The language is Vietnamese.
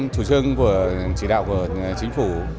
chủ trương và chỉ đạo của chính phủ